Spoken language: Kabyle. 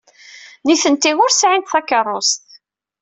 Nitenti ur sɛint takeṛṛust.